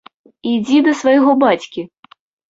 Ідзі да свайго бацькі!